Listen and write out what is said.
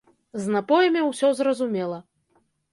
З напоямі ўсё зразумела.